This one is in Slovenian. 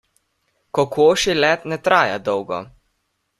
Kokošji let ne traja dolgo.